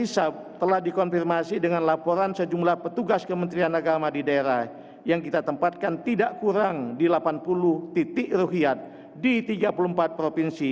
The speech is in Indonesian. sehingga setelah maghrib